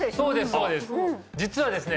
そうです実はですね